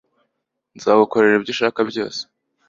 Nzagukorera ibyo ushaka byose